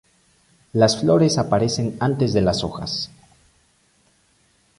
Las flores aparecen antes de las hojas.